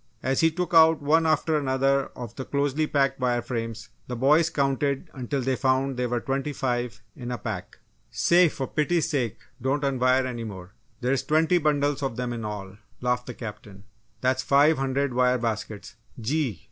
As he took out one after another of the closely packed wire frames the boys counted until they found there were twenty five in a pack. "Say, for pity's sake don't unwire any more there's twenty bundles of them in all," laughed the Captain. "That's five hundred wire baskets! Gee!